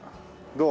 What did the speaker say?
どう？